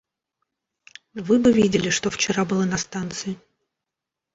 Вы бы видели, что вчера было на станции!